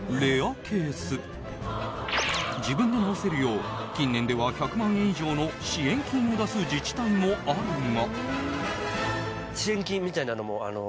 自分で直せるよう近年では１００万円以上の支援金を出す自治体もあるが。